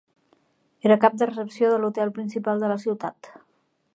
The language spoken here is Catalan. Era cap de recepció de l'hotel principal de la ciutat.